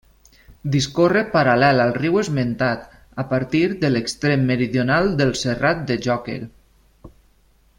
Discorre paral·lel al riu esmentat, a partir de l'extrem meridional del Serrat del Joquer.